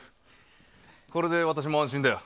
これで私も安心だよ。